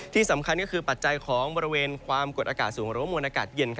ที่สำคัญก็คือปัจจัยของบริเวณความกดอากาศสูงหรือว่ามวลอากาศเย็น